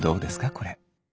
これ。